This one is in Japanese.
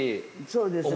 そうですね。